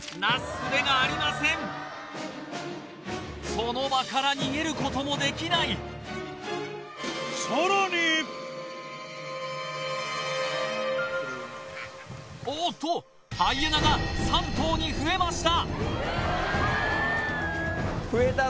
その場から逃げることもできないおっとハイエナが３頭に増えました